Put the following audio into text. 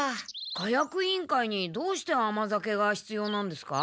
火薬委員会にどうして甘酒がひつようなんですか？